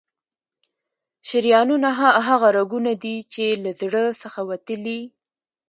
شریانونه هغه رګونه دي چې له زړه څخه وتلي.